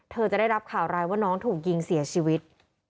จะได้รับข่าวร้ายว่าน้องถูกยิงเสียชีวิต